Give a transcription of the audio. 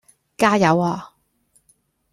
加油呀